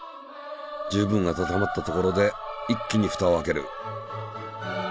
十分温まったところで一気にふたを開ける。